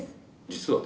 実は。